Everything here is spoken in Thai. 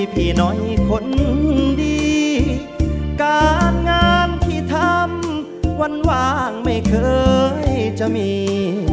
พี่น้อยคนดีการงานที่ทำวันว่างไม่เคยจะมี